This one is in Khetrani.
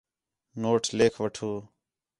نوٹ لکھ وٹّھو